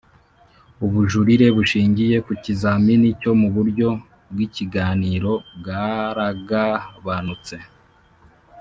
Ubujurire bushingiye ku kizamini cyo mu buryo bw ikiganiro bwaragabanutse